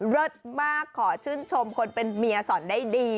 เลิศมากขอชื่นชมคนเป็นเมียสอนได้ดี